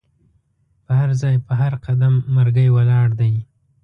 په هرځای په هر قدم مرګی ولاړ دی